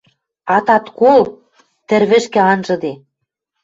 Атат кол, тӹрвӹшкӹ анжыде.